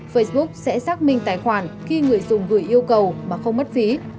facebook sẽ xác minh tài khoản khi người dùng gửi yêu cầu mà không mất phí